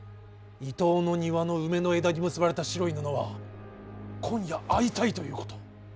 伊東の庭の梅の枝に結ばれた白い布は今夜会いたいということ。